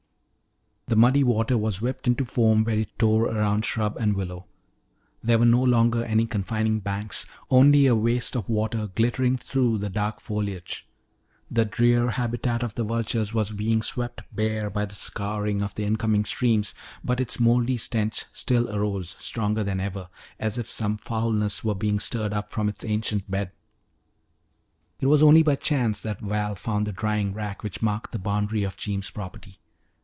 The muddy water was whipped into foam where it tore around shrub and willow. There were no longer any confining banks, only a waste of water glittering through the dark foliage. The drear habitat of the vultures was being swept bare by the scouring of the incoming streams, but its moldy stench still arose stronger than ever, as if some foulness were being stirred up from its ancient bed. It was only by chance that Val found the drying rack which marked the boundary of Jeems' property.